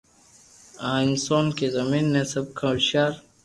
اها انسان کي زمين تي سڀ کان هوشيار